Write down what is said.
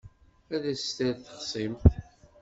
Ad as-d-terr texṣimt.